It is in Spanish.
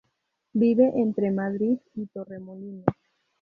Vive entre Madrid y Torremolinos.